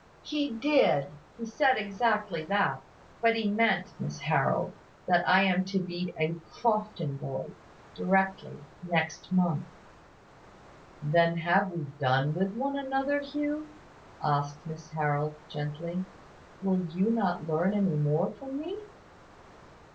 "He did, he said exactly that. But he meant, Miss Harold, that I am to be a Crofton boy, directly, next month." "Then have we done with one another, Hugh?" asked Miss Harold, gently. "Will you not learn any more from me?"